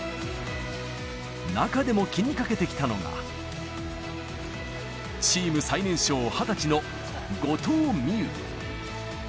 中でも気にかけてきたのが、チーム最年少、２０歳の後藤希友。